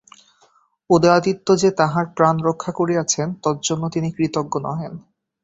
উদয়াদিত্য যে তাঁহার প্রাণ রক্ষা করিয়াছেন, তজ্জন্য তিনি কৃতজ্ঞ নহেন।